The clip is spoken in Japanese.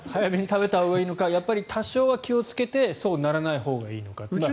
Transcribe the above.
早めに食べたほうがいいのか多少は気をつけてそうならないほうがいいのか。